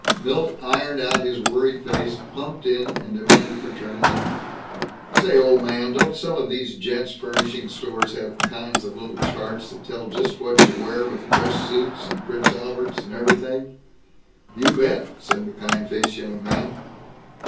Milt ironed out his worried face, clumped in, demanded fraternally, "Say, old man, don't some of these gents' furnishings stores have kind of little charts that tell just what you wear with dress suits and Prince Alberts and everything?" "You bet," said the kind faced young man.